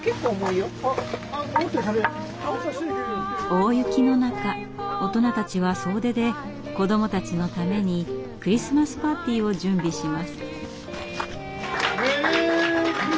大雪の中大人たちは総出で子どもたちのためにクリスマスパーティーを準備します。